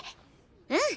うん。